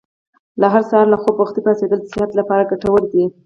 هر سهار له خوبه وختي پاڅېدل د صحت لپاره ګټور دي.